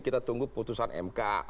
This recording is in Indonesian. kita tunggu putusan mk